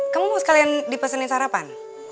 kamu sekalian dipesenin sarapan